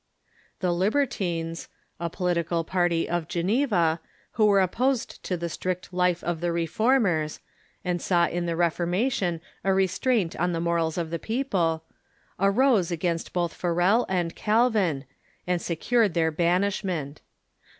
The Libertines, a political party of Geneva, who Avere op posed to the strict life of the Reformers, and saw in the Ref ormation a restraint on the morals of the people, Reforme'rs^ arose against both Farel and Calvin, and secured their banishment.